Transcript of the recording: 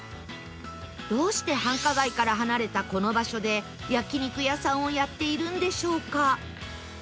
どうして繁華街から離れたこの場所で焼肉屋さんをやっているんでしょうか？